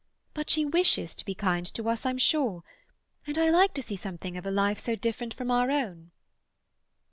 But she wishes to be kind to us, I'm sure—and I like to see something of a life so different from our own."